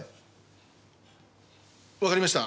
わかりました。